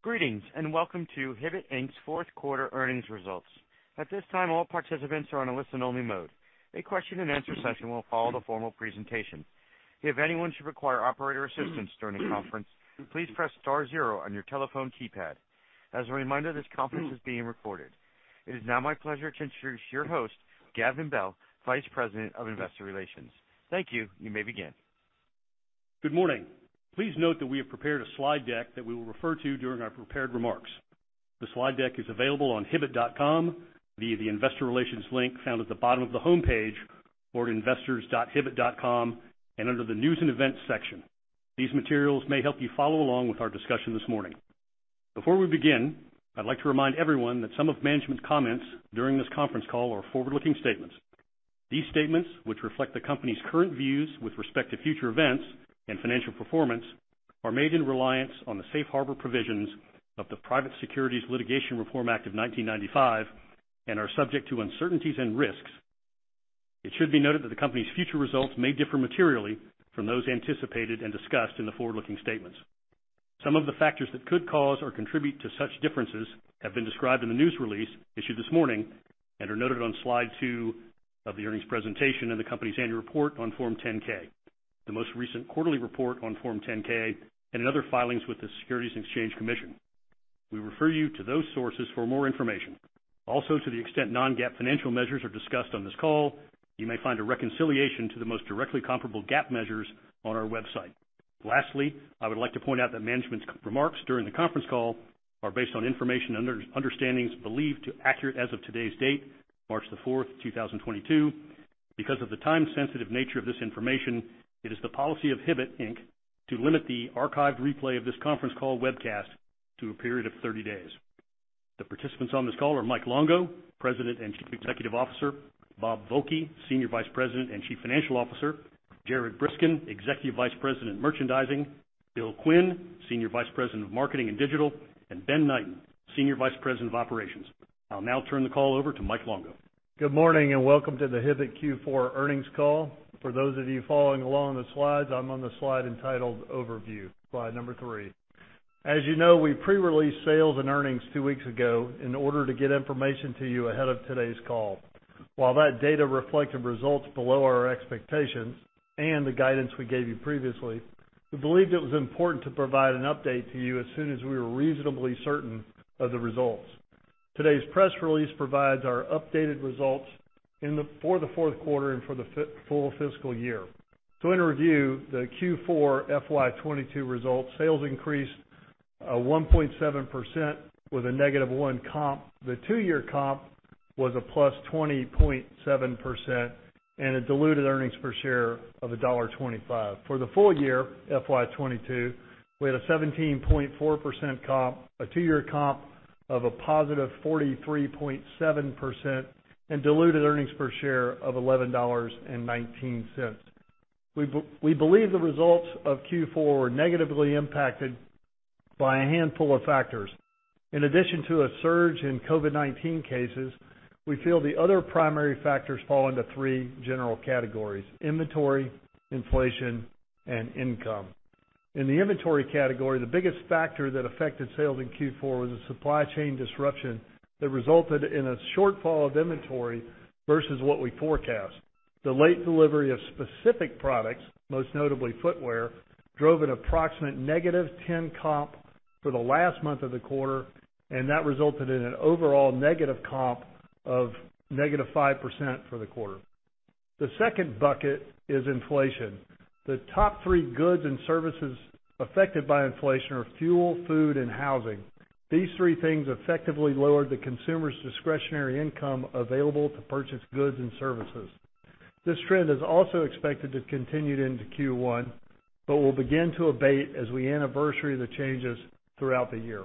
Greetings, and welcome to Hibbett, Inc.'s Q4 earnings results. At this time, all participants are on a listen-only mode. A question and answer session will follow the formal presentation. If anyone should require operator assistance during the conference, please press star zero on your telephone keypad. As a reminder, this conference is being recorded. It is now my pleasure to introduce your host, Gavin Bell, Vice President of Investor Relations. Thank you. You may begin. Good morning. Please note that we have prepared a slide deck that we will refer to during our prepared remarks. The slide deck is available on hibbett.com via the Investor Relations link found at the bottom of the homepage or at investors.hibbett.com and under the News & Events section. These materials may help you follow along with our discussion this morning. Before we begin, I'd like to remind everyone that some of management's comments during this conference call are forward-looking statements. These statements, which reflect the company's current views with respect to future events and financial performance, are made in reliance on the Safe Harbor provisions of the Private Securities Litigation Reform Act of 1995 and are subject to uncertainties and risks. It should be noted that the company's future results may differ materially from those anticipated and discussed in the forward-looking statements. Some of the factors that could cause or contribute to such differences have been described in the news release issued this morning and are noted on slide 2 of the earnings presentation and the company's Annual Report on Form 10-K, the most recent quarterly report on Form 10-Q, and in other filings with the Securities and Exchange Commission. We refer you to those sources for more information. Also, to the extent non-GAAP financial measures are discussed on this call, you may find a reconciliation to the most directly comparable GAAP measures on our website. Lastly, I would like to point out that management's remarks during the conference call are based on information and understandings believed to be accurate as of today's date, March 4, 2022. Because of the time-sensitive nature of this information, it is the policy of Hibbett, Inc. To limit the archived replay of this conference call webcast to a period of 30 days. The participants on this call are Mike Longo, President and Chief Executive Officer, Bob Volke, Senior Vice President and Chief Financial Officer, Jared Briskin, Executive Vice President, Merchandising, Bill Quinn, Senior Vice President of Marketing and Digital, and Ben Knighten, Senior Vice President of Operations. I'll now turn the call over to Mike Longo. Good morning, and welcome to the Hibbett Q4 earnings call. For those of you following along on the slides, I'm on the slide entitled Overview, slide number 3. As you know, we pre-released sales and earnings two weeks ago in order to get information to you ahead of today's call. While that data reflected results below our expectations and the guidance we gave you previously, we believed it was important to provide an update to you as soon as we were reasonably certain of the results. Today's press release provides our updated results for the Q4 and for the full fiscal year. In review, the Q4 FY 2022 results, sales increased 1.7% with a negative 1 comp. The two-year comp was +20.7% and a diluted earnings per share of $1.25. For the full year, FY 2022, we had a 17.4% comp, a two-year comp of +43.7%, and diluted earnings per share of $11.19. We believe the results of Q4 were negatively impacted by a handful of factors. In addition to a surge in COVID-19 cases, we feel the other primary factors fall into three general categories: inventory, inflation, and income. In the inventory category, the biggest factor that affected sales in Q4 was the supply chain disruption that resulted in a shortfall of inventory versus what we forecast. The late delivery of specific products, most notably footwear, drove an approximate -10% comp for the last month of the quarter, and that resulted in an overall negative comp of -5% for the quarter. The second bucket is inflation. The top three goods and services affected by inflation are fuel, food, and housing. These three things effectively lowered the consumer's discretionary income available to purchase goods and services. This trend is also expected to continue into Q1, but will begin to abate as we anniversary the changes throughout the year.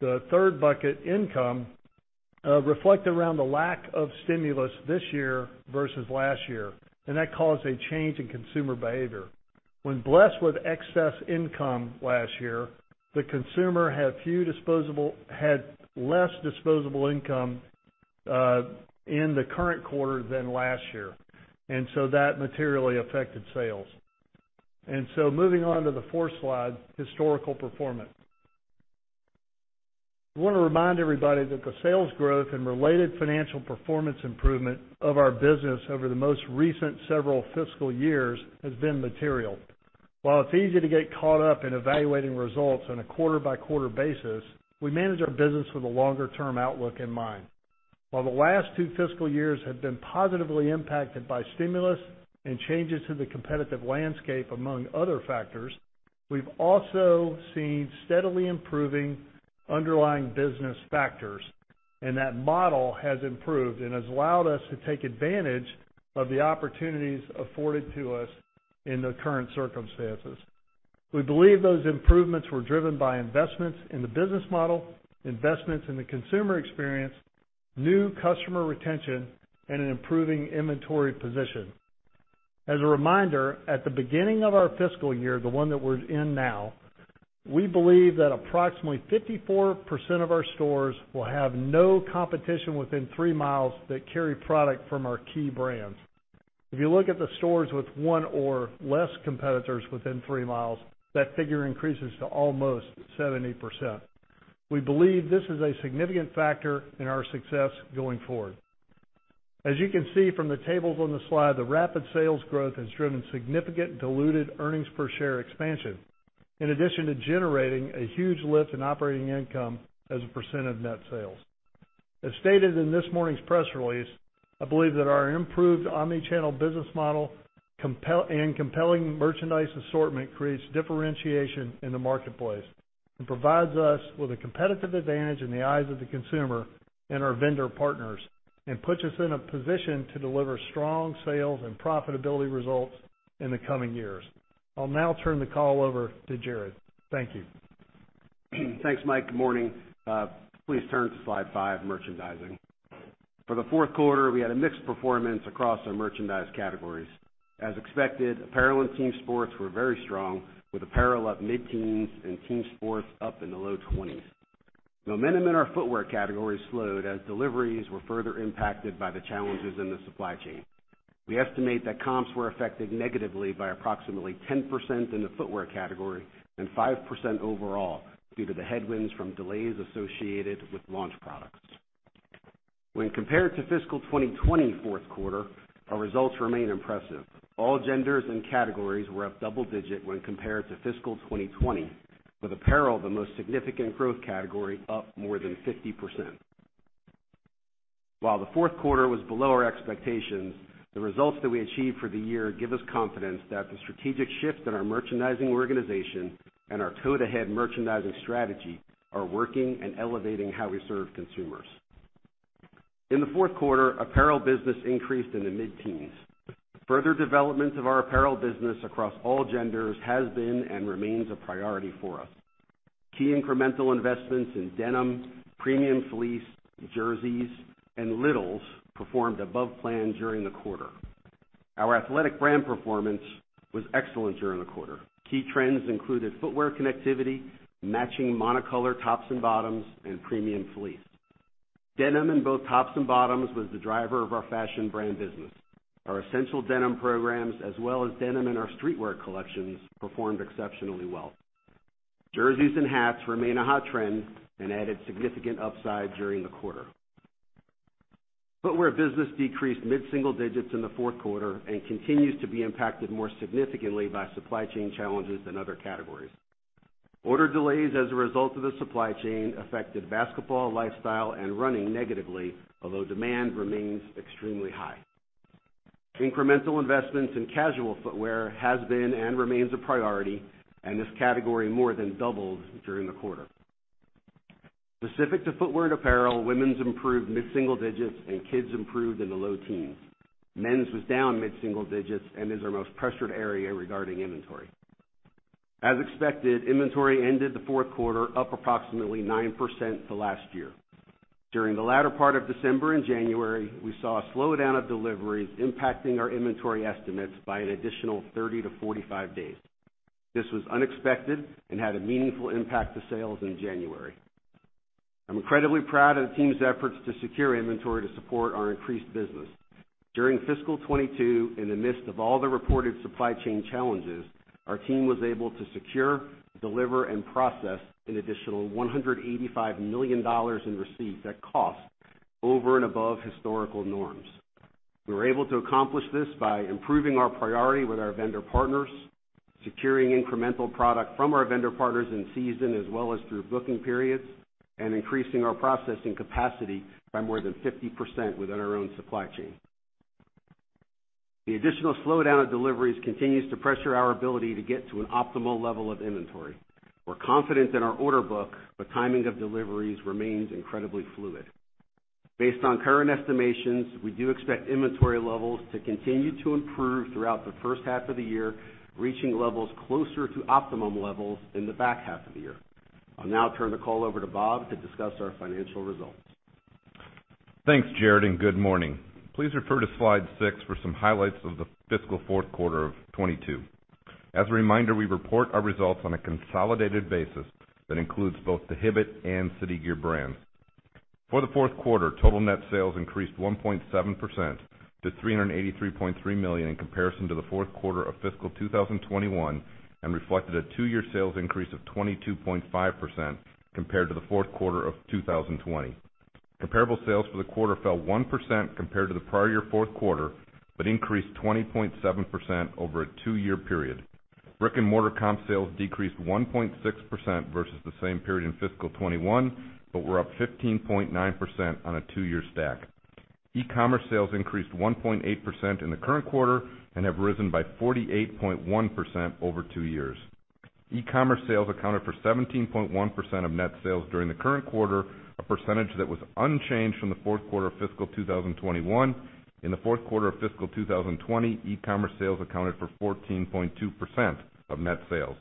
The third bucket, income, reflects the lack of stimulus this year versus last year, and that caused a change in consumer behavior. When blessed with excess income last year, the consumer had less disposable income in the current quarter than last year, and so that materially affected sales. Moving on to the fourth slide, historical performance. We wanna remind everybody that the sales growth and related financial performance improvement of our business over the most recent several fiscal years has been material. While it's easy to get caught up in evaluating results on a quarter-by-quarter basis, we manage our business with a longer-term outlook in mind. While the last two fiscal years have been positively impacted by stimulus and changes to the competitive landscape among other factors, we've also seen steadily improving underlying business factors, and that model has improved and has allowed us to take advantage of the opportunities afforded to us in the current circumstances. We believe those improvements were driven by investments in the business model, investments in the consumer experience, new customer retention, and an improving inventory position. As a reminder, at the beginning of our fiscal year, the one that we're in now, we believe that approximately 54% of our stores will have no competition within 3 miles that carry product from our key brands. If you look at the stores with 1 or less competitors within 3 miles, that figure increases to almost 70%. We believe this is a significant factor in our success going forward. As you can see from the tables on the slide, the rapid sales growth has driven significant diluted earnings per share expansion, in addition to generating a huge lift in operating income as a percent of net sales. As stated in this morning's press release, I believe that our improved omni-channel business model and compelling merchandise assortment creates differentiation in the marketplace and provides us with a competitive advantage in the eyes of the consumer and our vendor partners, and puts us in a position to deliver strong sales and profitability results in the coming years. I'll now turn the call over to Jared. Thank you. Thanks, Mike. Good morning. Please turn to slide 5, Merchandising. For the Q4, we had a mixed performance across our merchandise categories. As expected, apparel and team sports were very strong, with apparel up mid-teens and team sports up in the low twenties. Momentum in our footwear category slowed as deliveries were further impacted by the challenges in the supply chain. We estimate that comps were affected negatively by approximately 10% in the footwear category and 5% overall due to the headwinds from delays associated with launch products. When compared to fiscal 2020 Q4, our results remain impressive. All genders and categories were up double digit when compared to fiscal 2020, with apparel the most significant growth category, up more than 50%. While the Q4 was below our expectations, the results that we achieved for the year give us confidence that the strategic shifts in our merchandising organization and our toe-to-head merchandising strategy are working and elevating how we serve consumers. In the Q4, apparel business increased in the mid-teens. Further development of our apparel business across all genders has been and remains a priority for us. Key incremental investments in denim, premium fleece, jerseys, and littles performed above plan during the quarter. Our athletic brand performance was excellent during the quarter. Key trends included footwear connectivity, matching monocolor tops and bottoms, and premium fleece. Denim in both tops and bottoms was the driver of our fashion brand business. Our essential denim programs, as well as denim in our streetwear collections, performed exceptionally well. Jerseys and hats remain a hot trend and added significant upside during the quarter. Footwear business decreased mid-single digits in the Q4 and continues to be impacted more significantly by supply chain challenges than other categories. Order delays as a result of the supply chain affected basketball, lifestyle, and running negatively, although demand remains extremely high. Incremental investments in casual footwear has been and remains a priority, and this category more than doubled during the quarter. Specific to footwear and apparel, women's improved mid-single digits and kids improved in the low teens. Men's was down mid-single digits and is our most pressured area regarding inventory. As expected, inventory ended the Q4 up approximately 9% to last year. During the latter part of December and January, we saw a slowdown of deliveries impacting our inventory estimates by an additional 30-45 days. This was unexpected and had a meaningful impact to sales in January. I'm incredibly proud of the team's efforts to secure inventory to support our increased business. During fiscal 2022, in the midst of all the reported supply chain challenges, our team was able to secure, deliver, and process an additional $185 million in receipts at cost over and above historical norms. We were able to accomplish this by improving our priority with our vendor partners, securing incremental product from our vendor partners in season as well as through booking periods, and increasing our processing capacity by more than 50% within our own supply chain. The additional slowdown of deliveries continues to pressure our ability to get to an optimal level of inventory. We're confident in our order book, but timing of deliveries remains incredibly fluid. Based on current estimations, we do expect inventory levels to continue to improve throughout the first half of the year, reaching levels closer to optimum levels in the back half of the year. I'll now turn the call over to Bob to discuss our financial results. Thanks, Jared, and good morning. Please refer to slide 6 for some highlights of the fiscal Q4 of 2022. As a reminder, we report our results on a consolidated basis that includes both the Hibbett and City Gear brands. For the Q4, total net sales increased 1.7% to $383.3 million in comparison to the Q4 of fiscal 2021, and reflected a two-year sales increase of 22.5% compared to the Q4 of 2020. Comparable sales for the quarter fell 1% compared to the prior year Q4, but increased 20.7% over a two-year period. Brick-and-mortar comp sales decreased 1.6% versus the same period in fiscal 2021, but were up 15.9% on a two-year stack. E-commerce sales increased 1.8% in the current quarter and have risen by 48.1% over two years. E-commerce sales accounted for 17.1% of net sales during the current quarter, a percentage that was unchanged from the Q4 of fiscal 2021. In the Q4 of fiscal 2020, e-commerce sales accounted for 14.2% of net sales.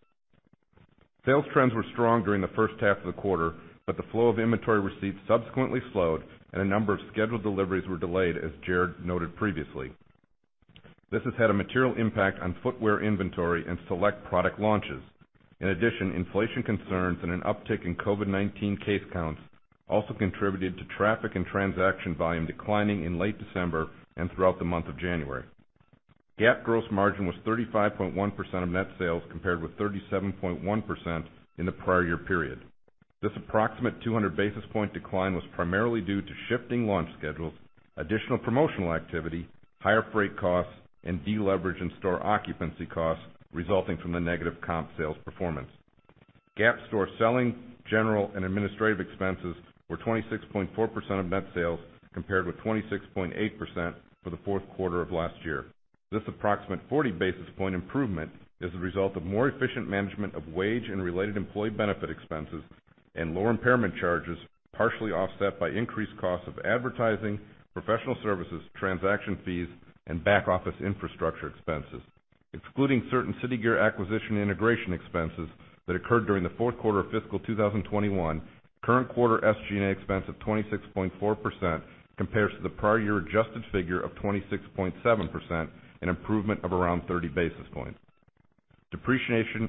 Sales trends were strong during the first half of the quarter, but the flow of inventory receipts subsequently slowed, and a number of scheduled deliveries were delayed, as Jared noted previously. This has had a material impact on footwear inventory and select product launches. In addition, inflation concerns and an uptick in COVID-19 case counts also contributed to traffic and transaction volume declining in late December and throughout the month of January. GAAP gross margin was 35.1% of net sales, compared with 37.1% in the prior year period. This approximate 200 basis point decline was primarily due to shifting launch schedules, additional promotional activity, higher freight costs, and deleverage in store occupancy costs resulting from the negative comp sales performance. GAAP store selling, general and administrative expenses were 26.4% of net sales, compared with 26.8% for the Q4 of last year. This approximate 40 basis point improvement is the result of more efficient management of wage and related employee benefit expenses and lower impairment charges, partially offset by increased costs of advertising, professional services, transaction fees, and back-office infrastructure expenses. Excluding certain City Gear acquisition integration expenses that occurred during the Q4 of fiscal 2021, current quarter SG&A expense of 26.4% compares to the prior year adjusted figure of 26.7%, an improvement of around 30 basis points. Depreciation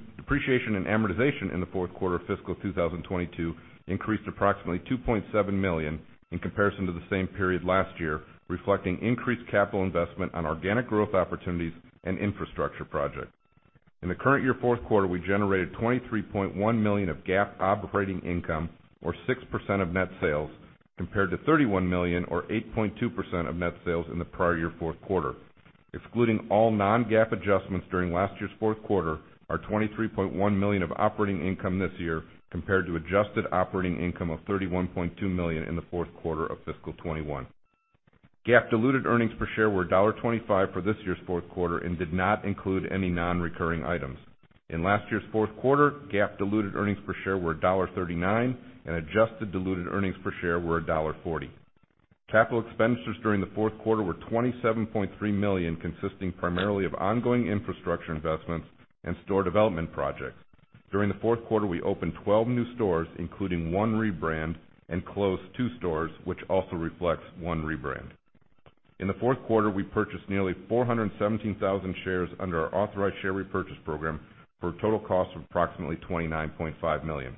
and amortization in the Q4 of fiscal 2022 increased approximately $2.7 million in comparison to the same period last year, reflecting increased capital investment on organic growth opportunities and infrastructure projects. In the current year Q4, we generated $23.1 million of GAAP operating income, or 6% of net sales, compared to $31 million or 8.2% of net sales in the prior year Q4. Excluding all non-GAAP adjustments during last year's Q4 are $23.1 million of operating income this year, compared to adjusted operating income of $31.2 million in the Q4 of fiscal 2021. GAAP diluted earnings per share were and did not include any non-recurring items. In last year's Q4, GAAP diluted earnings per share were $0.39, and adjusted diluted earnings per share were $0.40. Capital expenditures during the Q4 were $27.3 million, consisting primarily of ongoing infrastructure investments and store development projects. During the Q4, we opened 12 new stores, including one rebrand, and closed two stores, which also reflects one rebrand. In the Q4, we purchased nearly 417,000 shares under our authorized share repurchase program for a total cost of approximately $29.5 million.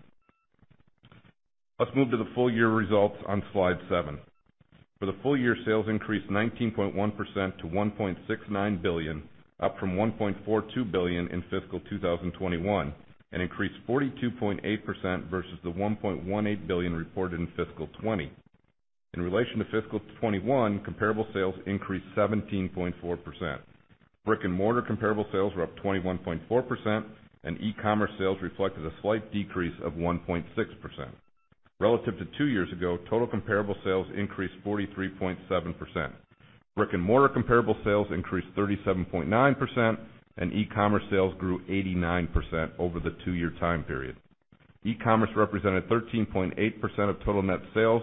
Let's move to the full year results on Slide 7. For the full year, sales increased 19.1% to $1.69 billion, up from $1.42 billion in fiscal 2021, and increased 42.8% versus the $1.18 billion reported in fiscal 2020. In relation to fiscal 2021, comparable sales increased 17.4%. Brick-and-mortar comparable sales were up 21.4%, and e-commerce sales reflected a slight decrease of 1.6%. Relative to two years ago, total comparable sales increased 43.7%. Brick-and-mortar comparable sales increased 37.9%, and e-commerce sales grew 89% over the two-year time period. E-commerce represented 13.8% of total net sales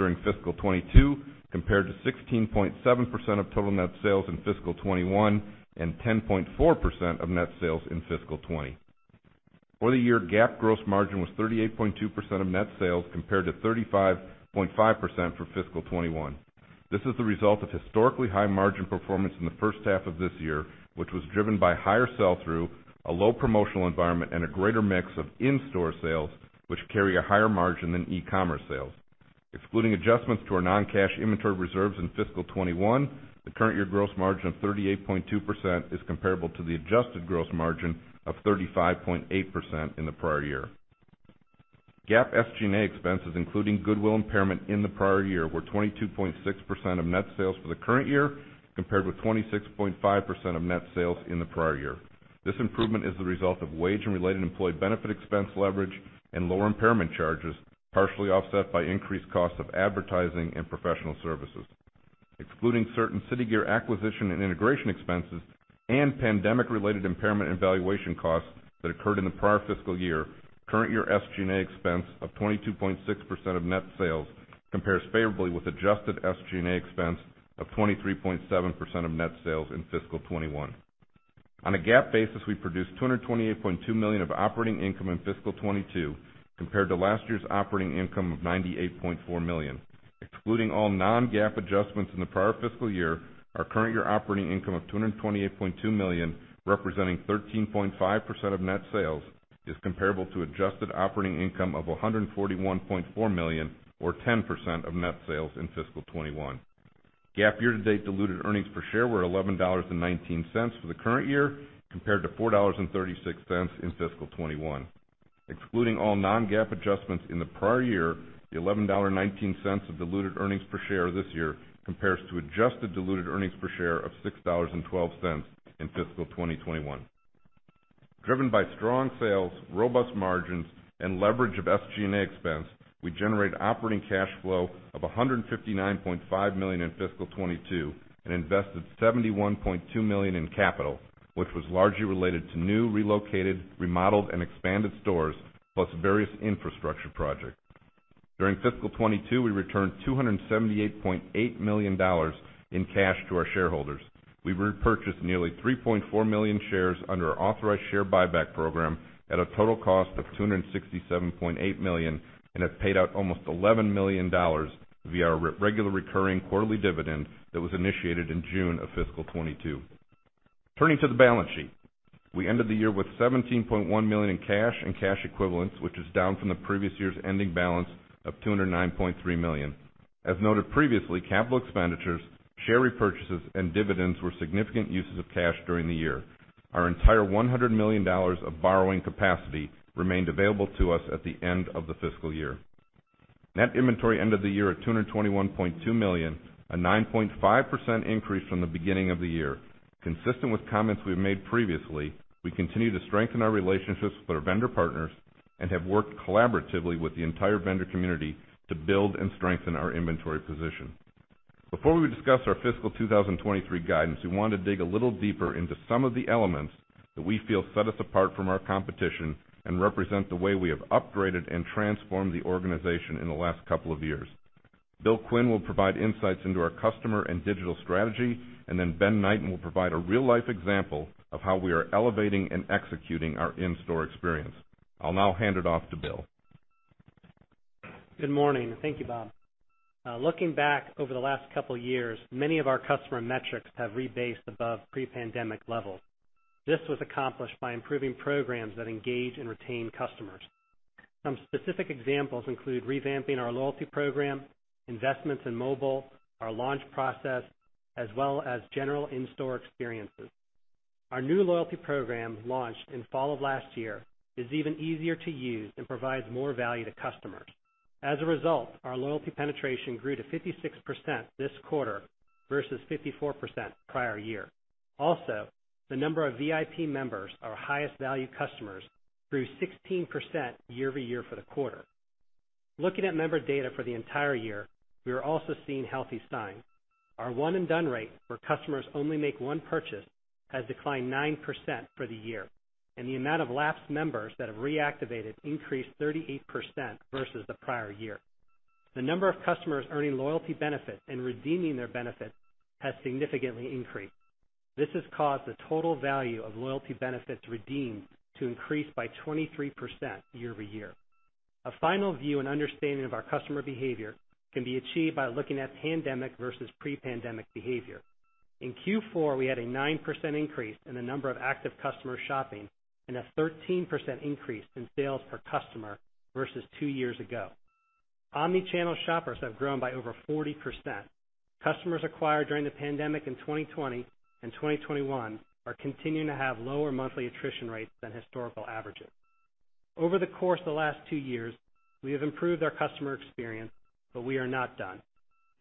during fiscal 2022, compared to 16.7% of total net sales in fiscal 2021 and 10.4% of net sales in fiscal 2020. For the year, GAAP gross margin was 38.2% of net sales, compared to 35.5% for fiscal 2021. This is the result of historically high margin performance in the first half of this year, which was driven by higher sell-through, a low promotional environment, and a greater mix of in-store sales, which carry a higher margin than e-commerce sales. Excluding adjustments to our non-cash inventory reserves in fiscal 2021, the current year gross margin of 38.2% is comparable to the adjusted gross margin of 35.8% in the prior year. GAAP SG&A expenses, including goodwill impairment in the prior year, were 22.6% of net sales for the current year, compared with 26.5% of net sales in the prior year. This improvement is the result of wage and related employee benefit expense leverage and lower impairment charges, partially offset by increased costs of advertising and professional services. Excluding certain City Gear acquisition and integration expenses and pandemic-related impairment and valuation costs that occurred in the prior fiscal year, current year SG&A expense of 22.6% of net sales compares favorably with adjusted SG&A expense of 23.7% of net sales in fiscal 2021. On a GAAP basis, we produced $228.2 million of operating income in fiscal 2022 compared to last year's operating income of $98.4 million. Excluding all non-GAAP adjustments in the prior fiscal year, our current year operating income of $228.2 million, representing 13.5% of net sales, is comparable to adjusted operating income of $141.4 million, or 10% of net sales in fiscal 2021. GAAP year-to-date diluted earnings per share were $11.19 for the current year compared to $4.36 in fiscal 2021. Excluding all non-GAAP adjustments in the prior year, the $11.19 of diluted earnings per share this year compares to adjusted diluted earnings per share of $6.12 in fiscal 2021. Driven by strong sales, robust margins, and leverage of SG&A expense, we generated operating cash flow of $159.5 million in fiscal 2022 and invested $71.2 million in capital, which was largely related to new, relocated, remodeled, and expanded stores, plus various infrastructure projects. During fiscal 2022, we returned $278.8 million in cash to our shareholders. We repurchased nearly 3.4 million shares under our authorized share buyback program at a total cost of $267.8 million and have paid out almost $11 million via our regular recurring quarterly dividend that was initiated in June of fiscal 2022. Turning to the balance sheet. We ended the year with $17.1 million in cash and cash equivalents, which is down from the previous year's ending balance of $209.3 million. As noted previously, capital expenditures, share repurchases, and dividends were significant uses of cash during the year. Our entire $100 million of borrowing capacity remained available to us at the end of the fiscal year. Net inventory ended the year at $221.2 million, a 9.5% increase from the beginning of the year. Consistent with comments we have made previously, we continue to strengthen our relationships with our vendor partners and have worked collaboratively with the entire vendor community to build and strengthen our inventory position. Before we discuss our fiscal 2023 guidance, we want to dig a little deeper into some of the elements that we feel set us apart from our competition and represent the way we have upgraded and transformed the organization in the last couple of years. Bill Quinn will provide insights into our customer and digital strategy, and then Ben Knighten will provide a real-life example of how we are elevating and executing our in-store experience. I'll now hand it off to Bill. Good morning, and thank you, Bob. Looking back over the last couple of years, many of our customer metrics have rebased above pre-pandemic levels. This was accomplished by improving programs that engage and retain customers. Some specific examples include revamping our loyalty program, investments in mobile, our launch process, as well as general in-store experiences. Our new loyalty program, launched in fall of last year, is even easier to use and provides more value to customers. As a result, our loyalty penetration grew to 56% this quarter versus 54% prior year. Also, the number of VIP members, our highest value customers, grew 16% year-over-year for the quarter. Looking at member data for the entire year, we are also seeing healthy signs. Our one and done rate, where customers only make one purchase, has declined 9% for the year, and the amount of lapsed members that have reactivated increased 38% versus the prior year. The number of customers earning loyalty benefits and redeeming their benefits has significantly increased. This has caused the total value of loyalty benefits redeemed to increase by 23% year over year. A final view and understanding of our customer behavior can be achieved by looking at pandemic versus pre-pandemic behavior. In Q4, we had a 9% increase in the number of active customers shopping and a 13% increase in sales per customer versus two years ago. Omnichannel shoppers have grown by over 40%. Customers acquired during the pandemic in 2020 and 2021 are continuing to have lower monthly attrition rates than historical averages. Over the course of the last two years, we have improved our customer experience, but we are not done.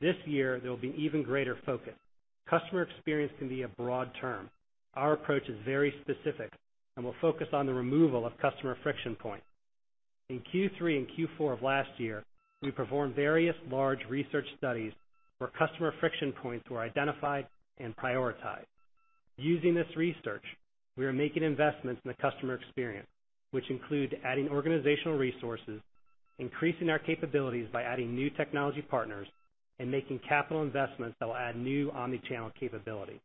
This year, there will be even greater focus. Customer experience can be a broad term. Our approach is very specific, and we'll focus on the removal of customer friction points. In Q3 and Q4 of last year, we performed various large research studies where customer friction points were identified and prioritized. Using this research, we are making investments in the customer experience, which include adding organizational resources, increasing our capabilities by adding new technology partners, and making capital investments that will add new omnichannel capability.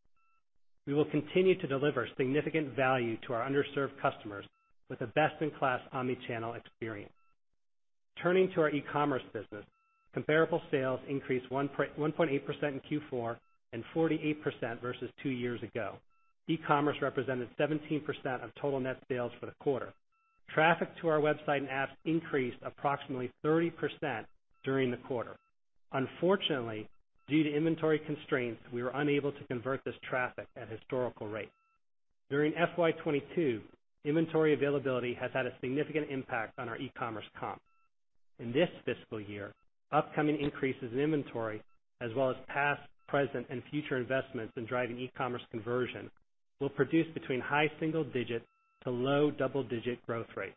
We will continue to deliver significant value to our underserved customers with a best-in-class omnichannel experience. Turning to our e-commerce business, comparable sales increased 1.18% in Q4 and 48% versus two years ago. E-commerce represented 17% of total net sales for the quarter. Traffic to our website and apps increased approximately 30% during the quarter. Unfortunately, due to inventory constraints, we were unable to convert this traffic at historical rates. During FY 2022, inventory availability has had a significant impact on our e-commerce comp. In this fiscal year, upcoming increases in inventory as well as past, present, and future investments in driving e-commerce conversion will produce between high single-digit to low double-digit growth rates.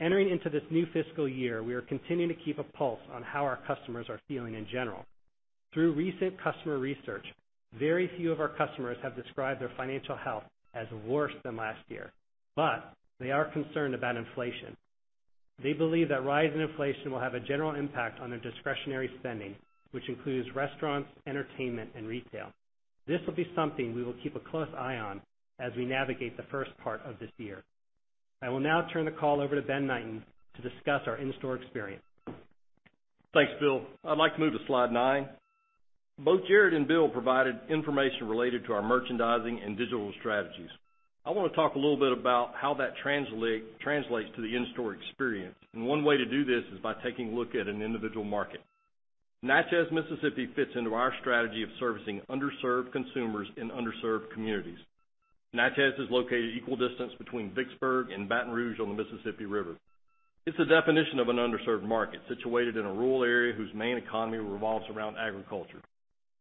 Entering into this new fiscal year, we are continuing to keep a pulse on how our customers are feeling in general. Through recent customer research, very few of our customers have described their financial health as worse than last year, but they are concerned about inflation. They believe the rise in inflation will have a general impact on their discretionary spending, which includes restaurants, entertainment, and retail. This will be something we will keep a close eye on as we navigate the first part of this year. I will now turn the call over to Ben Knighten to discuss our in-store experience. Thanks, Bill. I'd like to move to slide 9. Both Jared and Bill provided information related to our merchandising and digital strategies. I wanna talk a little bit about how that translates to the in-store experience. One way to do this is by taking a look at an individual market. Natchez, Mississippi fits into our strategy of servicing underserved consumers in underserved communities. Natchez is located equal distance between Vicksburg and Baton Rouge on the Mississippi River. It's the definition of an underserved market, situated in a rural area whose main economy revolves around agriculture.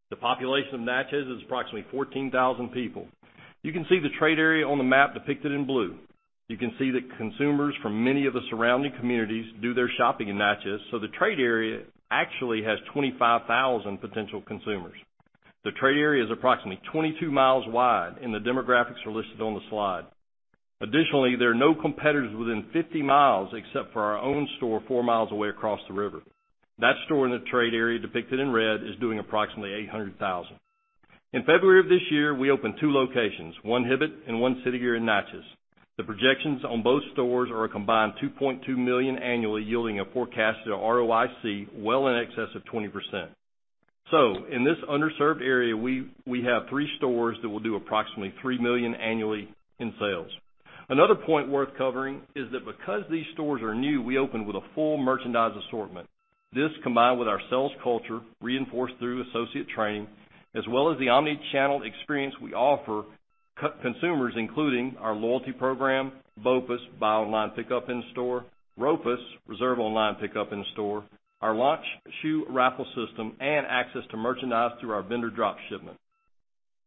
The population of Natchez is approximately 14,000 people. You can see the trade area on the map depicted in blue. You can see that consumers from many of the surrounding communities do their shopping in Natchez, so the trade area actually has 25,000 potential consumers. The trade area is approximately 22 miles wide, and the demographics are listed on the slide. Additionally, there are no competitors within 50 miles except for our own store 4 miles away across the river. That store in the trade area depicted in red is doing approximately $800,000. In February of this year, we opened two locations, one Hibbett and one City Gear in Natchez. The projections on both stores are a combined $2.2 million annually, yielding a forecasted ROIC well in excess of 20%. In this underserved area, we have three stores that will do approximately $3 million annually in sales. Another point worth covering is that because these stores are new, we open with a full merchandise assortment. This, combined with our sales culture, reinforced through associate training, as well as the omni-channel experience we offer consumers, including our loyalty program, BOPUS, Buy Online Pick Up In Store, ROPUS, Reserve Online Pick Up In Store, our launch shoe raffle system, and access to merchandise through our vendor drop shipment.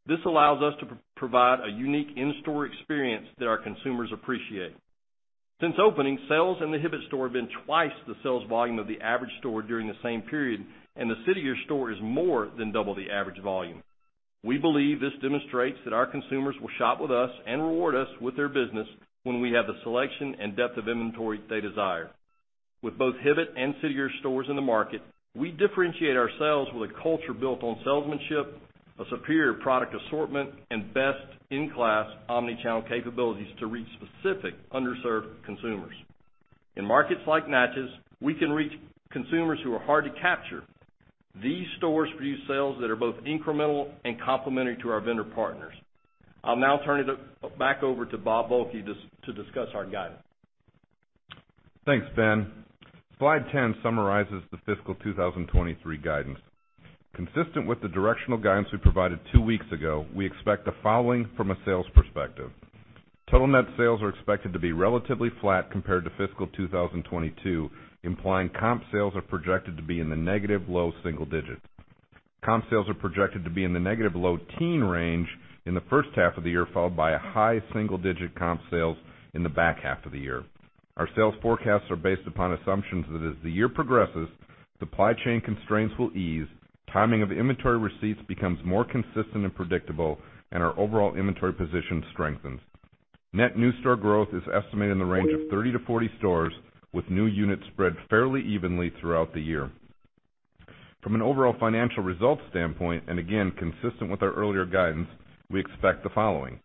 This allows us to provide a unique in-store experience that our consumers appreciate. Since opening, sales in the Hibbett store have been twice the sales volume of the average store during the same period, and the City Gear store is more than double the average volume. We believe this demonstrates that our consumers will shop with us and reward us with their business when we have the selection and depth of inventory they desire. With both Hibbett and City Gear stores in the market, we differentiate ourselves with a culture built on salesmanship, a superior product assortment, and best-in-class omni-channel capabilities to reach specific underserved consumers. In markets like Natchez, we can reach consumers who are hard to capture. These stores produce sales that are both incremental and complementary to our vendor partners. I'll now turn it back over to Bob Volke to discuss our guidance. Thanks, Ben. Slide 10 summarizes the fiscal 2023 guidance. Consistent with the directional guidance we provided 2 weeks ago, we expect the following from a sales perspective. Total net sales are expected to be relatively flat compared to fiscal 2022, implying comp sales are projected to be in the negative low single digit. Comp sales are projected to be in the negative low teen range in the first half of the year, followed by a high single digit comp sales in the back half of the year. Our sales forecasts are based upon assumptions that as the year progresses, supply chain constraints will ease, timing of inventory receipts becomes more consistent and predictable, and our overall inventory position strengthens. Net new store growth is estimated in the range of 30-40 stores, with new units spread fairly evenly throughout the year. From an overall financial results standpoint, and again, consistent with our earlier guidance, we expect the following.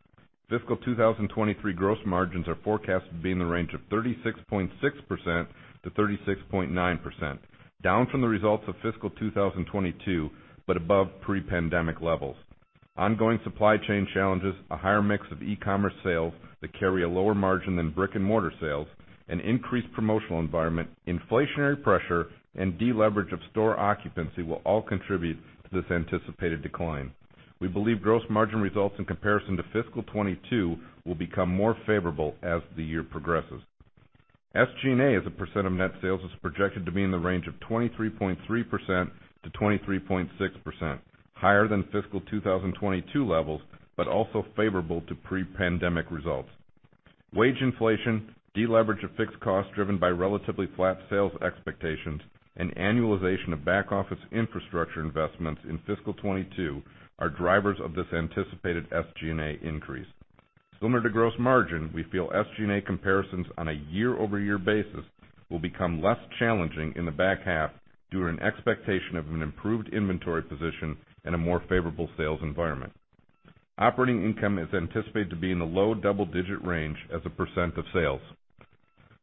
Fiscal 2023 gross margins are forecasted to be in the range of 36.6%-36.9%, down from the results of fiscal 2022, but above pre-pandemic levels. Ongoing supply chain challenges, a higher mix of e-commerce sales that carry a lower margin than brick-and-mortar sales, an increased promotional environment, inflationary pressure, and deleverage of store occupancy will all contribute to this anticipated decline. We believe gross margin results in comparison to fiscal 2022 will become more favorable as the year progresses. SG&A, as a percent of net sales, is projected to be in the range of 23.3%-23.6%, higher than fiscal 2022 levels, but also favorable to pre-pandemic results. Wage inflation, deleverage of fixed costs driven by relatively flat sales expectations, and annualization of back office infrastructure investments in fiscal 2022 are drivers of this anticipated SG&A increase. Similar to gross margin, we feel SG&A comparisons on a year-over-year basis will become less challenging in the back half due to an expectation of an improved inventory position and a more favorable sales environment. Operating income is anticipated to be in the low double-digit range as a percent of sales.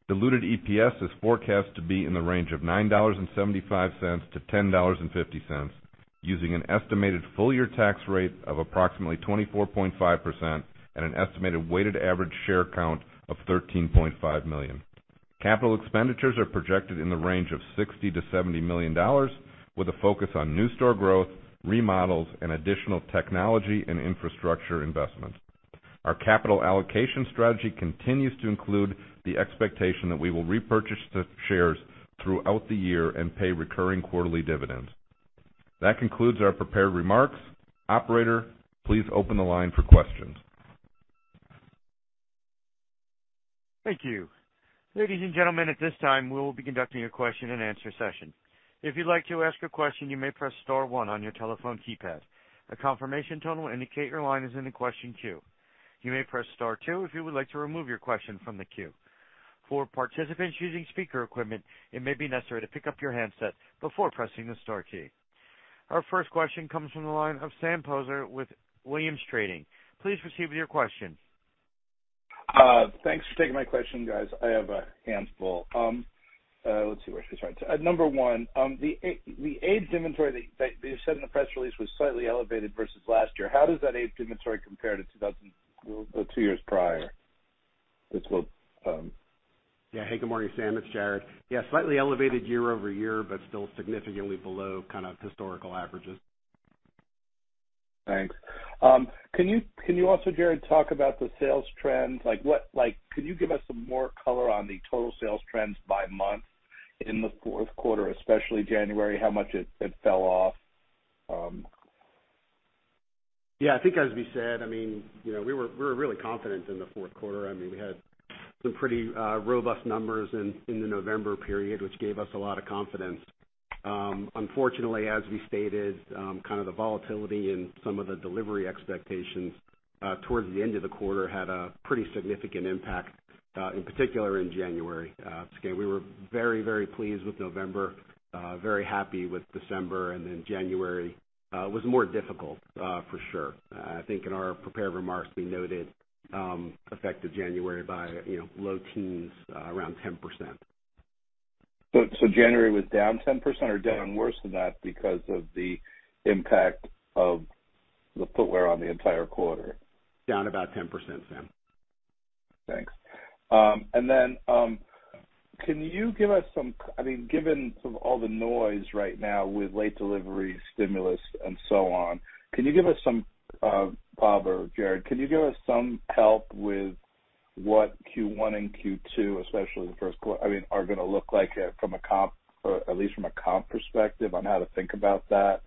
Diluted EPS is forecast to be in the range of $9.75-$10.50, using an estimated full-year tax rate of approximately 24.5% and an estimated weighted average share count of 13.5 million. Capital expenditures are projected in the range of $60 million-$70 million, with a focus on new store growth, remodels, and additional technology and infrastructure investments. Our capital allocation strategy continues to include the expectation that we will repurchase the shares throughout the year and pay recurring quarterly dividends. That concludes our prepared remarks. Operator, please open the line for questions. Thank you. Ladies and gentlemen, at this time, we will be conducting a question-and-answer session. If you'd like to ask a question, you may press star one on your telephone keypad. A confirmation tone will indicate your line is in the question queue. You may press star two if you would like to remove your question from the queue. For participants using speaker equipment, it may be necessary to pick up your handset before pressing the star key. Our first question comes from the line of Sam Poser with Williams Trading. Please proceed with your question. Thanks for taking my question, guys. I have a handful. Let's see, where should we start? Number one, the aged inventory that you said in the press release was slightly elevated versus last year. How does that aged inventory compare to two years prior? It's what. Yeah. Hey, good morning, Sam. It's Jared. Yeah, slightly elevated year-over-year, but still significantly below kind of historical averages. Thanks. Can you also, Jared, talk about the sales trends? Like, can you give us some more color on the total sales trends by month in the Q4, especially January, how much it fell off? Yeah, I think as we said, I mean, you know, we were really confident in the Q4. I mean, we had some pretty robust numbers in the November period, which gave us a lot of confidence. Unfortunately, as we stated, kind of the volatility in some of the delivery expectations towards the end of the quarter had a pretty significant impact. In particular, in January. Again, we were very, very pleased with November, very happy with December, and then January was more difficult, for sure. I think in our prepared remarks, we noted effect of January by, you know, low teens, around 10%. January was down 10% or down worse than that because of the impact of the footwear on the entire quarter? Down about 10%, Sam. Thanks. I mean, given sort of all the noise right now with late delivery, stimulus, and so on, can you give us some, Bob or Jared, can you give us some help with what Q1 and Q2, especially the first, I mean, are gonna look like, from a comp or at least from a comp perspective on how to think about that,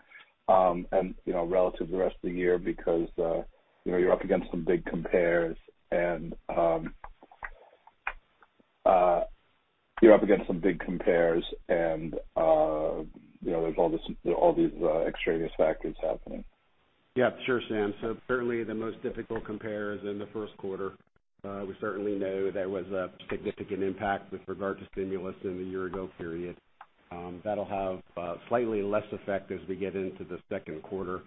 and, you know, relative to the rest of the year because, you know, you're up against some big compares and, you know, there's all these extraneous factors happening. Yeah. Sure, Sam. Certainly the most difficult compare is in the Q1. We certainly know there was a significant impact with regard to stimulus in the year ago period. That'll have slightly less effect as we get into the Q2.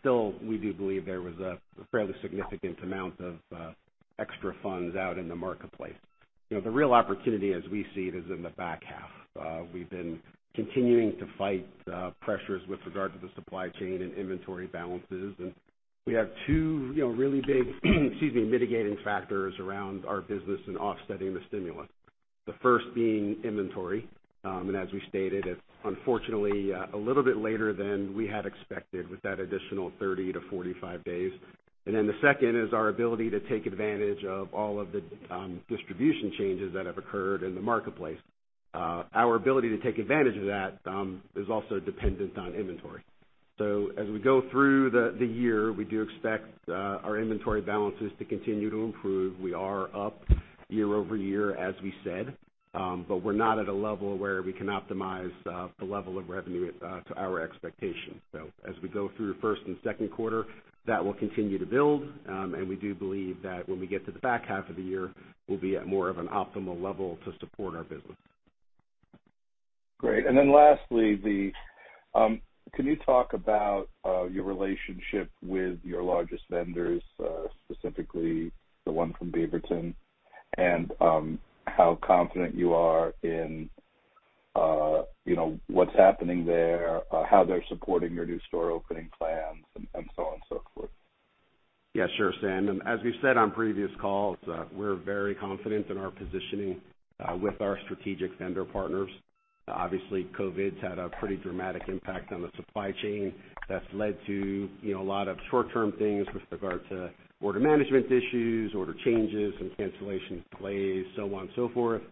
Still, we do believe there was a fairly significant amount of extra funds out in the marketplace. You know, the real opportunity as we see it is in the back half. We've been continuing to fight pressures with regard to the supply chain and inventory balances. We have two, you know, really big, excuse me, mitigating factors around our business and offsetting the stimulus. The first being inventory, and as we stated, it unfortunately a little bit later than we had expected with that additional 30-45 days. The second is our ability to take advantage of all of the distribution changes that have occurred in the marketplace. Our ability to take advantage of that is also dependent on inventory. As we go through the year, we do expect our inventory balances to continue to improve. We are up year over year, as we said, but we're not at a level where we can optimize the level of revenue to our expectations. As we go through the first and Q2, that will continue to build. We do believe that when we get to the back half of the year, we'll be at more of an optimal level to support our business. Great. Lastly, can you talk about your relationship with your largest vendors, specifically the one from Beaverton, and how confident you are in, you know, what's happening there, how they're supporting your new store opening plans and so on and so forth? Yeah, sure, Sam. As we've said on previous calls, we're very confident in our positioning with our strategic vendor partners. Obviously, COVID's had a pretty dramatic impact on the supply chain that's led to, you know, a lot of short-term things with regard to order management issues, order changes and cancellation delays, so on and so forth.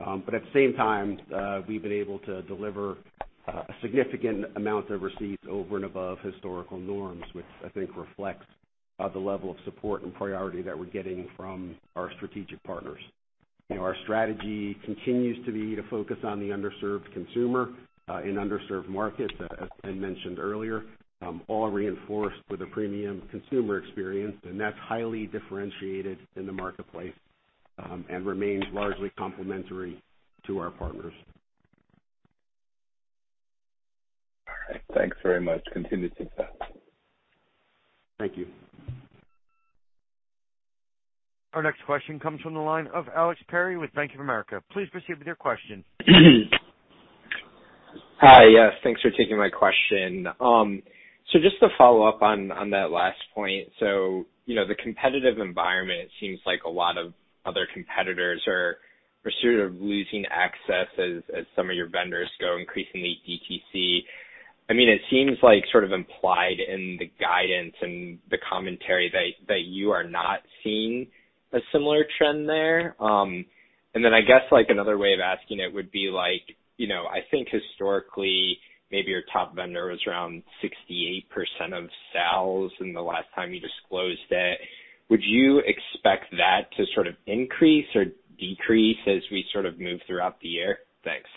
At the same time, we've been able to deliver a significant amount of receipts over and above historical norms, which I think reflects the level of support and priority that we're getting from our strategic partners. You know, our strategy continues to be to focus on the underserved consumer in underserved markets, as I mentioned earlier, all reinforced with a premium consumer experience, and that's highly differentiated in the marketplace and remains largely complementary to our partners. All right. Thanks very much. Continue the success. Thank you. Our next question comes from the line of Alex Perry with Bank of America. Please proceed with your question. Hi. Yes, thanks for taking my question. Just to follow up on that last point. You know, the competitive environment, it seems like a lot of other competitors are sort of losing access as some of your vendors go increasingly DTC. I mean, it seems like sort of implied in the guidance and the commentary that you are not seeing a similar trend there. Then I guess, like, another way of asking it would be like, you know, I think historically, maybe your top vendor was around 68% of sales in the last time you disclosed it. Would you expect that to sort of increase or decrease as we sort of move throughout the year? Thanks.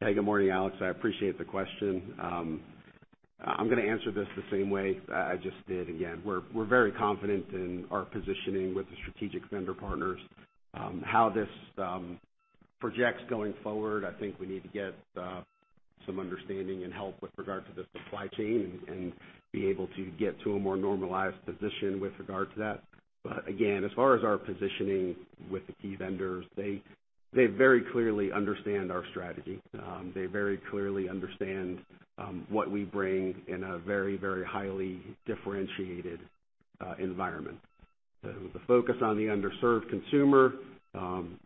Hey, good morning, Alex. I appreciate the question. I'm gonna answer this the same way I just did. Again, we're very confident in our positioning with the strategic vendor partners. How this projects going forward, I think we need to get some understanding and help with regard to the supply chain and be able to get to a more normalized position with regard to that. But again, as far as our positioning with the key vendors, they very clearly understand our strategy. They very clearly understand what we bring in a very highly differentiated environment. The focus on the underserved consumer,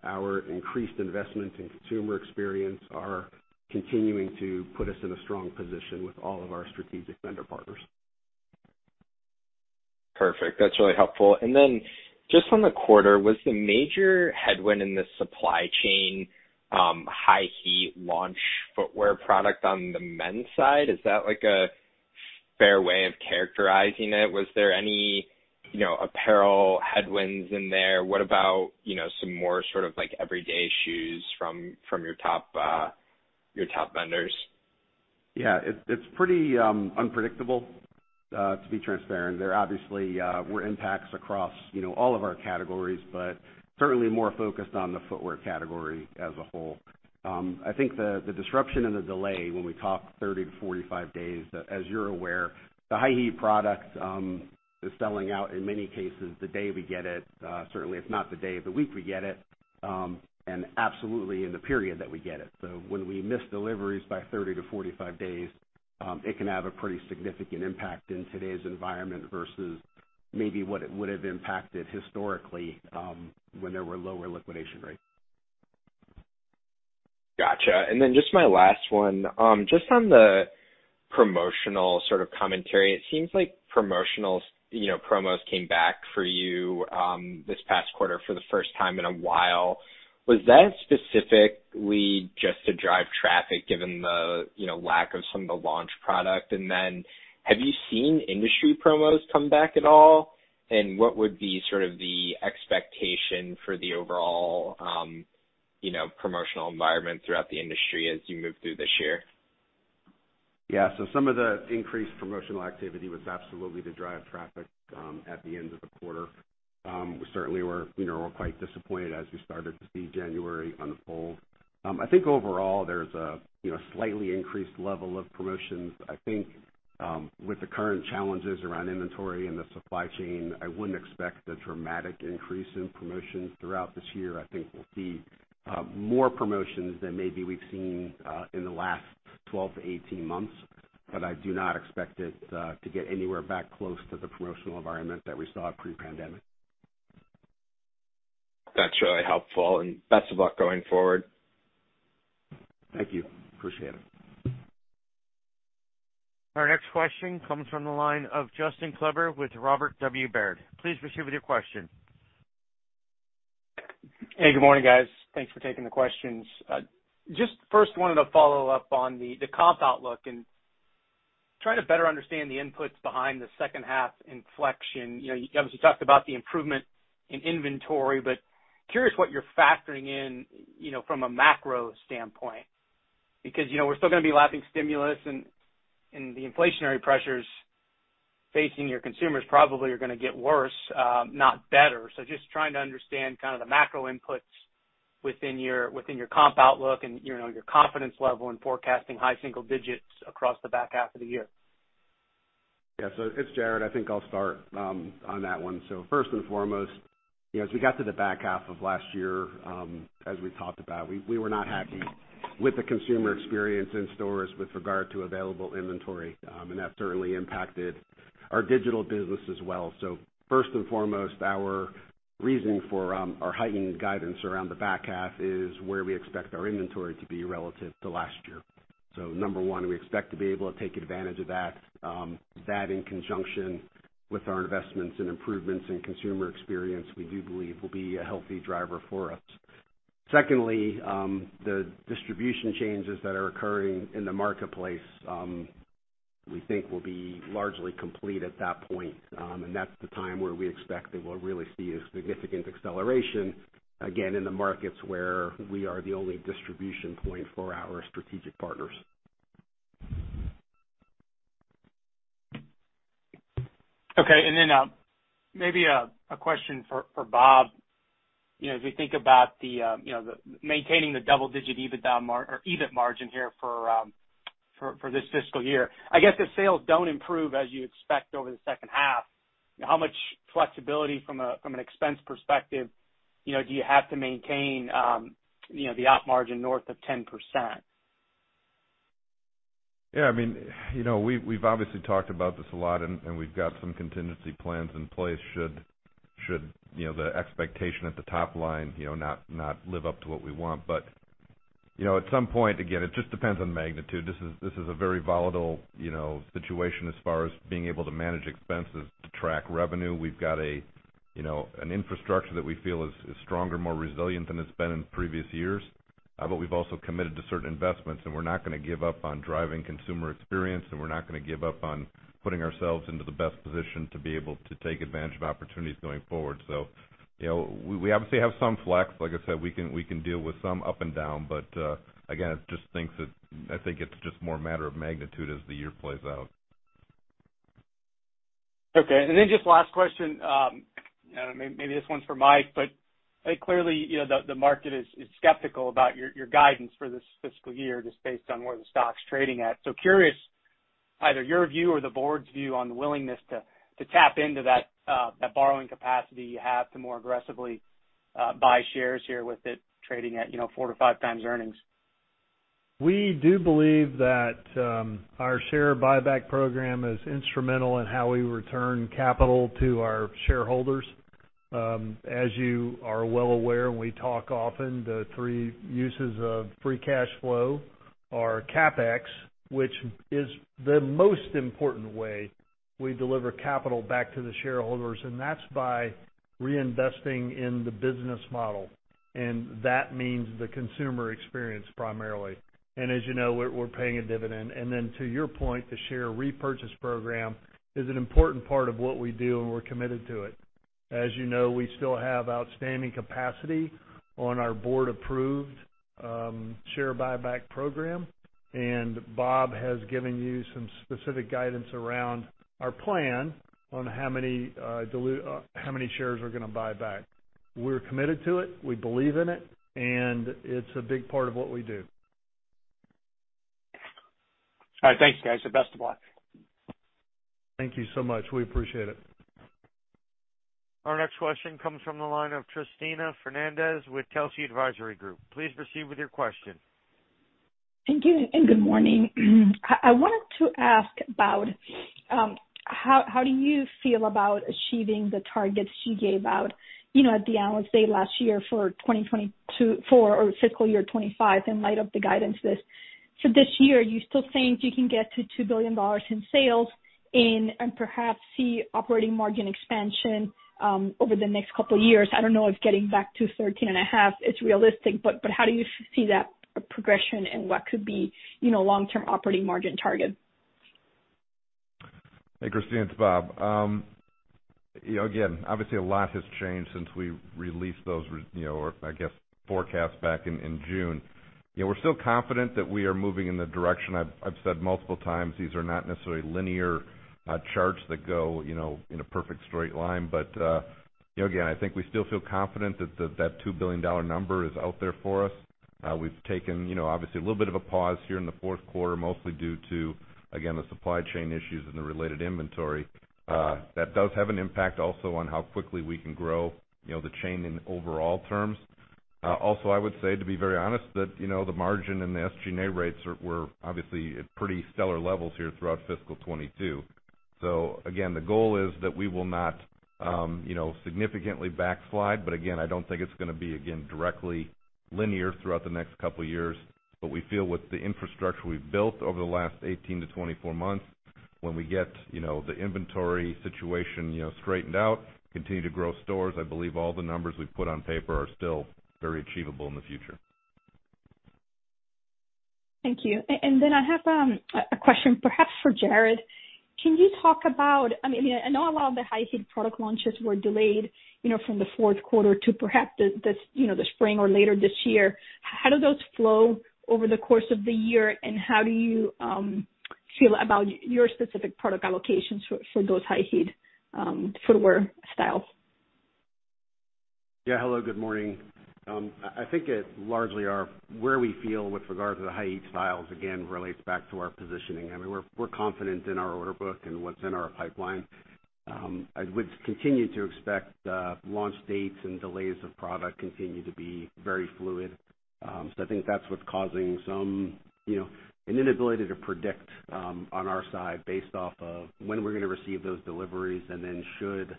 our increased investment in consumer experience are continuing to put us in a strong position with all of our strategic vendor partners. Perfect. That's really helpful. Just on the quarter, was the major headwind in the supply chain, high heat launch footwear product on the men's side? Is that, like, a fair way of characterizing it? Was there any, you know, apparel headwinds in there? What about, you know, some more sort of like everyday shoes from your top vendors? Yeah, it's pretty unpredictable, to be transparent. There obviously were impacts across, you know, all of our categories, but certainly more focused on the footwear category as a whole. I think the disruption and the delay when we talk 30-45 days, as you are aware, the high heat product is selling out in many cases the day we get it. Certainly, if not the day of the week we get it, and absolutely in the period that we get it. When we miss deliveries by 30-45 days, it can have a pretty significant impact in today's environment versus maybe what it would have impacted historically, when there were lower liquidation rates. Gotcha. Then just my last one. Just on the promotional sort of commentary, it seems like promotionals, you know, promos came back for you, this past quarter for the first time in a while. Was that specifically just to drive traffic given the, you know, lack of some of the launch product? Have you seen industry promos come back at all? What would be sort of the expectation for the overall, you know, promotional environment throughout the industry as you move through this year? Yeah. Some of the increased promotional activity was absolutely to drive traffic at the end of the quarter. We certainly were, you know, quite disappointed as we started to see January unfold. I think overall there's a you know, slightly increased level of promotions. I think with the current challenges around inventory and the supply chain, I wouldn't expect a dramatic increase in promotions throughout this year. I think we'll see more promotions than maybe we have seen in the last 12-18 months, but I do not expect it to get anywhere back close to the promotional environment that we saw pre-pandemic. That's really helpful and best of luck going forward. Thank you. I appreciate it. Our next question comes from the line of Justin Kleber with Robert W. Baird. Please proceed with your question. Hey, good morning, guys. Thanks for taking the questions. I just first wanted to follow up on the comp outlook and trying to better understand the inputs behind the second half inflection. You know, you obviously talked about the improvement in inventory, but curious what you're factoring in, you know, from a macro standpoint, because, you know, we are still gonna be lapping stimulus and the inflationary pressures facing your consumers probably are gonna get worse, not better. Just trying to understand kind of the macro inputs within your comp outlook and, you know, your confidence level in forecasting high single digits across the back half of the year. Yeah. It's Jared. I think I'll start on that one. First and foremost, you know, as we got to the back half of last year, as we talked about, we were not happy with the consumer experience in stores with regard to available inventory, and that certainly impacted our digital business as well. First and foremost, our reasoning for our heightened guidance around the back half is where we expect our inventory to be relative to last year. Number one, we expect to be able to take advantage of that. That in conjunction with our investments and improvements in consumer experience, we do believe will be a healthy driver for us. Secondly, the distribution changes that are occurring in the marketplace, we think will be largely complete at that point. That's the time where we expect that we'll really see a significant acceleration, again, in the markets where we are the only distribution point for our strategic partners. Okay. Maybe a question for Bob. You know, as we think about the, you know, the maintaining the double-digit EBITDA or EBIT margin here for this fiscal year. I guess if sales don't improve as you expect over the second half, how much flexibility from an expense perspective, you know, do you have to maintain the op margin north of 10%? Yeah, I mean, you know, we've obviously talked about this a lot, and we've got some contingency plans in place should, you know, the expectation at the top line, you know, not live up to what we want. You know, at some point, again, it just depends on magnitude. This is a very volatile, you know, situation as far as being able to manage expenses to track revenue. We've got a, you know, an infrastructure that we feel is stronger, more resilient than it's been in previous years. We've also committed to certain investments, and we're not gonna give up on driving consumer experience, and we are not gonna give up on putting ourselves into the best position to be able to take advantage of opportunities going forward. You know, we obviously have some flex. Like I said, we can deal with some up and down, but, again, I think it's just more a matter of magnitude as the year plays out. Okay. Just last question. Maybe this one's for Mike, but clearly, you know, the market is skeptical about your guidance for this fiscal year just based on where the stock's trading at. Curious either your view or the board's view on the willingness to tap into that borrowing capacity you have to more aggressively buy shares here with it trading at, you know, 4-5 times earnings. We do believe that our share buyback program is instrumental in how we return capital to our shareholders. As you are well aware, and we talk often, the three uses of free cash flow are CapEx, which is the most important way we deliver capital back to the shareholders, and that's by reinvesting in the business model, and that means the consumer experience primarily. As you know, we are paying a dividend. Then to your point, the share repurchase program is an important part of what we do, and we're committed to it. As you know, we still have outstanding capacity on our board approved share buyback program. Bob has given you some specific guidance around our plan on how many shares we're gonna buy back. We're committed to it. We believe in it, and it's a big part of what we do. All right. Thanks, guys, and best of luck. Thank you so much. We appreciate it. Our next question comes from the line of Cristina Fernandez with Telsey Advisory Group. Please proceed with your question. Thank you, good morning. I wanted to ask about how do you feel about achieving the targets you gave out, you know, at the analyst day last year for 2024 or fiscal year 2025 in light of the guidance this year? You still think you can get to $2 billion in sales and perhaps see operating margin expansion over the next couple years? I don't know if getting back to 13.5% is realistic, but how do you see that progression and what could be, you know, long-term operating margin targets? Hey, Cristina, it's Bob. You know, again, obviously a lot has changed since we released those, you know, or I guess forecasts back in June. You know, we are still confident that we are moving in the direction. I've said multiple times, these are not necessarily linear charts that go, you know, in a perfect straight line. You know, again, I think we still feel confident that $2 billion number is out there for us. We have taken, you know, obviously a little bit of a pause here in the Q4, mostly due to, again, the supply chain issues and the related inventory. That does have an impact also on how quickly we can grow, you know, the chain in overall terms. Also, I would say, to be very honest, that, you know, the margin and the SG&A rates were obviously at pretty stellar levels here throughout fiscal 2022. Again, the goal is that we will not, you know, significantly backslide. Again, I don't think it's gonna be, again, directly linear throughout the next couple of years. We feel with the infrastructure we've built over the last 18-24 months, when we get, you know, the inventory situation, you know, straightened out, continue to grow stores. I believe all the numbers we've put on paper are still very achievable in the future. Thank you. I have a question perhaps for Jared. Can you talk about, I mean, I know a lot of the high heat product launches were delayed, you know, from the Q4 to perhaps the you know the spring or later this year. How do those flow over the course of the year, and how do you feel about your specific product allocations for those high heat footwear styles? Yeah. Hello, good morning. I think it largely is where we feel with regard to the high heat styles again relates back to our positioning. I mean, we're confident in our order book and what's in our pipeline. I would continue to expect launch dates and delays of product continue to be very fluid. So I think that's what's causing some, you know, an inability to predict on our side based off of when we're gonna receive those deliveries and then should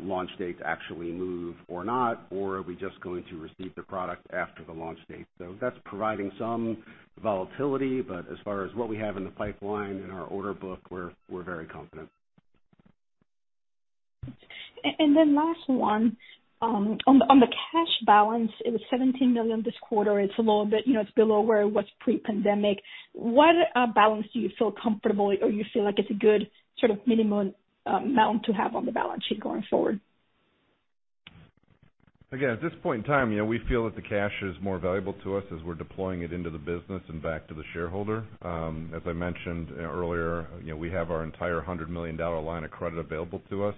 launch dates actually move or not, or are we just going to receive the product after the launch date. So that's pr oviding some volatility. But as far as what we have in the pipeline in our order book, we are very confident. Last one. On the cash balance, it was $17 billion this quarter. It's a little bit, it's below where it was pre-pandemic. What balance do you feel comfortable or you feel like it's a good sort of minimum amount to have on the balance sheet going forward? Again, at this point in time, you know, we feel that the cash is more valuable to us as we're deploying it into the business and back to the shareholder. As I mentioned earlier, you know, we have our entire $100 million line of credit available to us.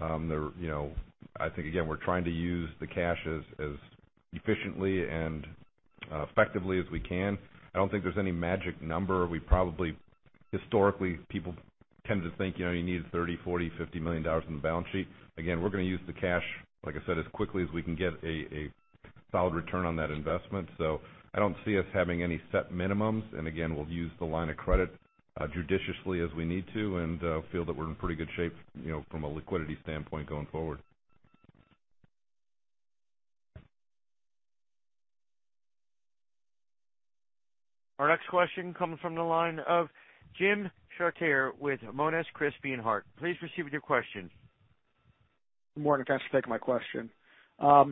You know, I think again, we're trying to use the cash as efficiently and effectively as we can. I don't think there's any magic number. Historically, people tend to think, you know, you need $30 million, $40 million, $50 million on the balance sheet. Again, we are gonna use the cash, like I said, as quickly as we can get a solid return on that investment. I don't see us having any set minimums. Again, we'll use the line of credit judiciously as we need to and feel that we are in pretty good shape, you know, from a liquidity standpoint going forward. Our next question comes from the line of Jim Chartier with Monness, Crespi, Hardt & Co. Please proceed with your question. Good morning. Thanks for taking my question. I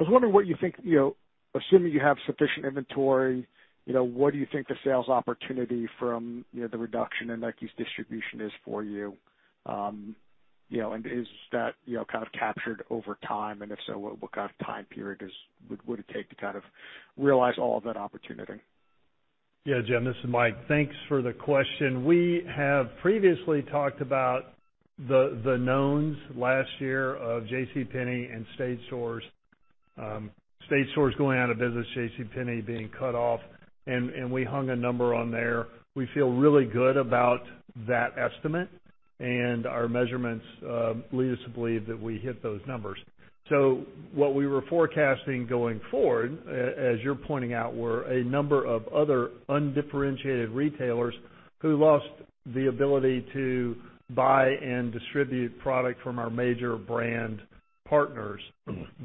was wondering what you think, you know, assuming you have sufficient inventory, you know, what do you think the sales opportunity from, you know, the reduction in Nike's distribution is for you? You know, and is that, you know, kind of captured over time? And if so, what kind of time period would it take to kind of realize all of that opportunity? Yeah, Jim, this is Mike. Thanks for the question. We have previously talked about the knowns last year of JCPenney and Stage Stores. Stage Stores going out of business, JCPenney being cut off, and we hung a number on there. We feel really good about that estimate, and our measurements lead us to believe that we hit those numbers. What we were forecasting going forward, as you're pointing out, were a number of other undifferentiated retailers who lost the ability to buy and distribute product from our major brand partners.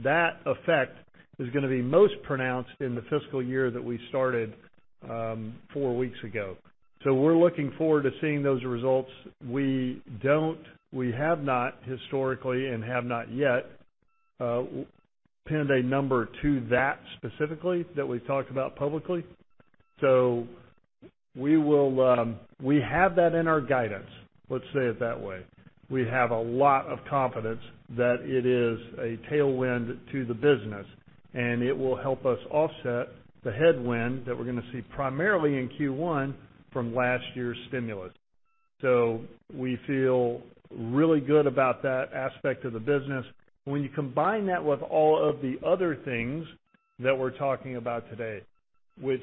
That effect is gonna be most pronounced in the fiscal year that we started four weeks ago. We're looking forward to seeing those results. We have not historically and have not yet pinned a number to that specifically that we've talked about publicly. We will. We have that in our guidance, let's say it that way. We have a lot of confidence that it is a tailwind to the business, and it will help us offset the headwind that we are gonna see primarily in Q1 from last year's stimulus. We feel really good about that aspect of the business. When you combine that with all of the other things that we're talking about today, which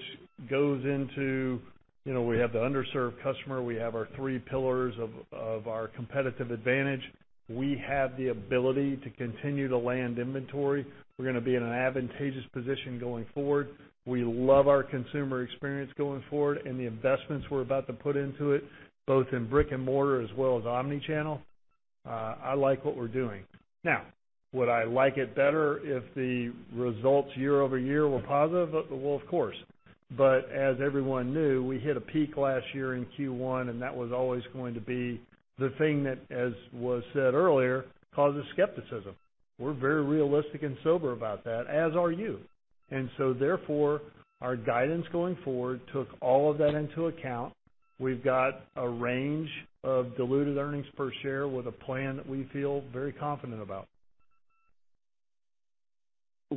goes into, you know, we have the underserved customer, we have our three pillars of our competitive advantage. We have the ability to continue to land inventory. We're gonna be in an advantageous position going forward. We love our consumer experience going forward and the investments we're about to put into it, both in brick-and-mortar as well as omni-channel. I like what we're doing. Now, would I like it better if the results year-over-year were positive? Well, of course. As everyone knew, we hit a peak last year in Q1, and that was always going to be the thing that, as was said earlier, causes skepticism. We are very realistic and sober about that, as are you. Therefore, our guidance going forward took all of that into account. We've got a range of diluted earnings per share with a plan that we feel very confident about.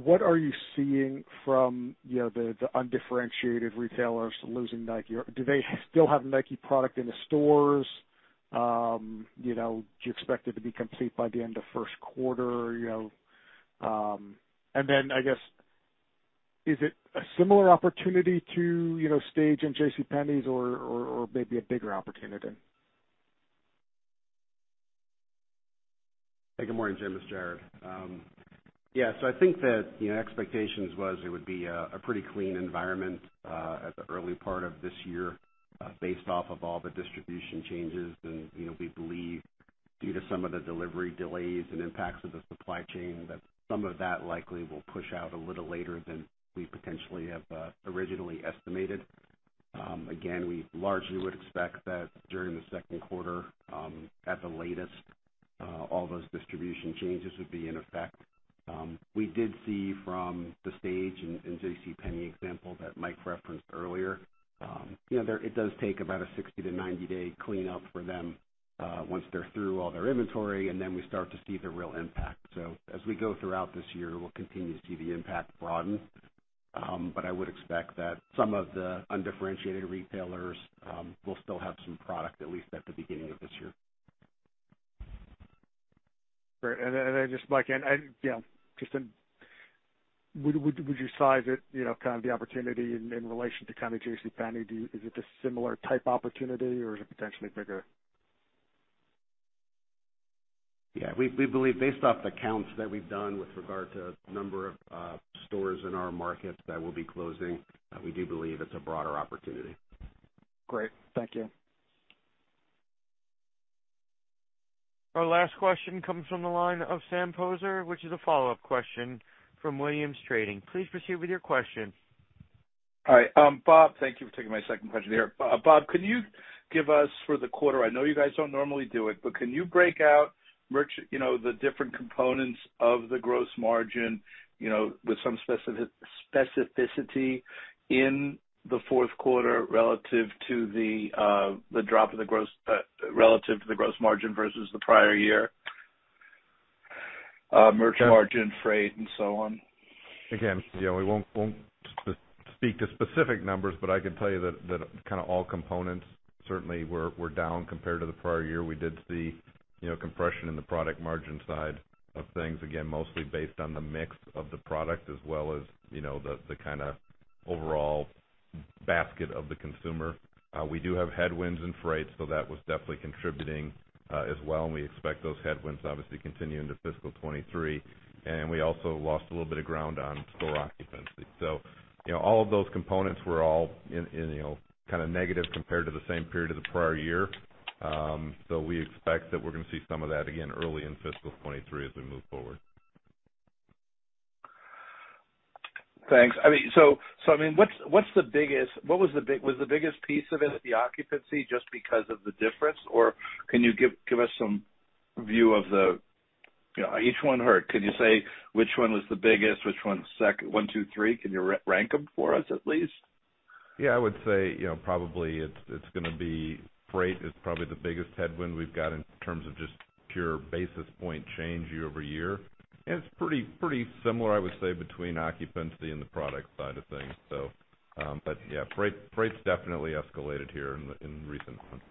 What are you seeing from, you know, the undifferentiated retailers losing Nike? Do they still have Nike product in the stores? You know, do you expect it to be complete by the end of Q1? You know, I guess, is it a similar opportunity to Stage and JCPenney or maybe a bigger opportunity? Hey, good morning, Jim. It's Jared. I think that, you know, expectations was it would be a pretty clean environment at the early part of this year based off of all the distribution changes. You know, we believe due to some of the delivery delays and impacts of the supply chain, that some of that likely will push out a little later than we potentially have originally estimated. Again, we largely would expect that during the Q2 at the latest all those distribution changes would be in effect. We did see from the Stage and JCPenney example that Mike referenced earlier, you know, it does take about a 60-90-day cleanup for them once they're through all their inventory, and then we start to see the real impact. As we go throughout this year, we'll continue to see the impact broaden. I would expect that some of the undifferentiated retailers will still have some product, at least at the beginning of this year. Great. Just Mike, you know, would you size it, you know, kind of the opportunity in relation to kinda JCPenney? Is it a similar type opportunity or is it potentially bigger? Yeah. We believe based off the counts that we've done with regard to number of stores in our markets that will be closing, we do believe it's a broader opportunity. Great. Thank you. Our last question comes from the line of Sam Poser, which is a follow-up question from Williams Trading. Please proceed with your question. All right. Bob, thank you for taking my second question here. Bob, can you give us for the quarter, I know you guys don't normally do it, but can you break out merch, you know, the different components of the gross margin, you know, with some specificity in the Q4 relative to the gross margin versus the prior year, merch margin, freight, and so on? Again, you know, we won't speak to specific numbers, but I can tell you that kinda all components certainly were down compared to the prior year. We did see, you know, compression in the product margin side of things, again, mostly based on the mix of the product as well as, you know, the kinda overall basket of the consumer. We do have headwinds in freight, so that was definitely contributing, as well, and we expect those headwinds to obviously continue into fiscal 2023. We also lost a little bit of ground on store occupancy. You know, all of those components were all in kinda negative compared to the same period of the prior year. We expect that we're gonna see some of that again early in fiscal 2023 as we move forward. Thanks. I mean, so, what's the biggest? Was the biggest piece of it the occupancy just because of the difference? Can you give us some view of the, you know, each one hurt? Can you say which one was the biggest, which one's one, two, three? Can you rank them for us at least? Yeah, I would say, you know, probably it's gonna be freight is probably the biggest headwind we've got in terms of just pure basis point change year-over-year. It's pretty similar, I would say, between occupancy and the product side of things. Yeah, freight's definitely escalated here in recent months.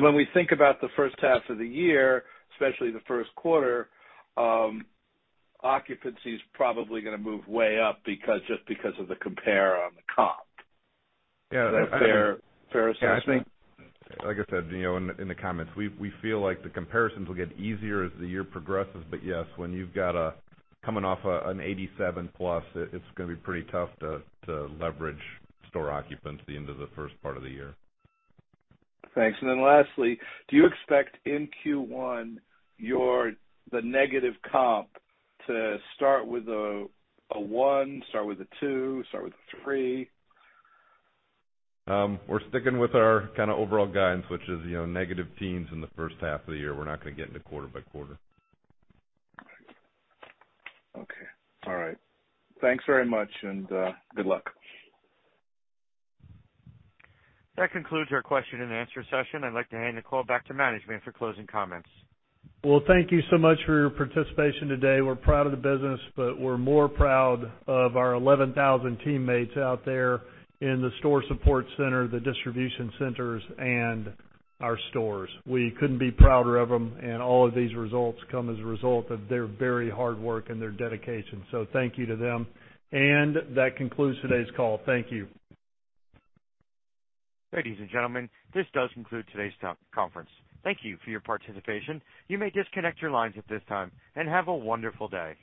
When we think about the first half of the year, especially the Q1, occupancy is probably gonna move way up because, just because of the compare on the comp. Yeah. Is that fair assessment? Yeah, I think, like I said, you know, in the comments, we feel like the comparisons will get easier as the year progresses. Yes, when you've got a coming off an 87+, it's gonna be pretty tough to leverage store occupancy into the first part of the year. Thanks. Lastly, do you expect in Q1, the negative comp to start with a 1, start with a 2, start with a 3? We're sticking with our kinda overall guidance, which is, you know, negative teens% in the first half of the year. We're not gonna get into quarter by quarter. Okay. All right. Thanks very much, and good luck. That concludes our question and answer session. I'd like to hand the call back to management for closing comments. Well, thank you so much for your participation today. We're proud of the business, but we're more proud of our 11,000 teammates out there in the store support center, the distribution centers, and our stores. We couldn't be prouder of them, and all of these results come as a result of their very hard work and their dedication. Thank you to them. That concludes today's call. Thank you. Ladies and gentlemen, this does conclude today's conference. Thank you for your participation. You may disconnect your lines at this time, and have a wonderful day.